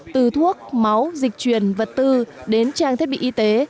từ thuốc máu dịch truyền vật tư đến trang thiết bị y tế